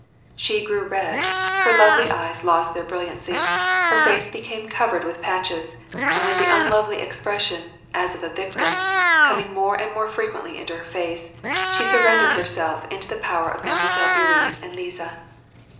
She grew red, her lovely eyes lost their brilliancy, her face became covered with patches, and with the unlovely expression, as of a victim, com ing more and more frequently in her face, she surrendered her self into the power of Mile. Bourienne and Liza.